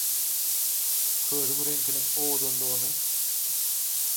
Közüň reňkiniň owadandygyny.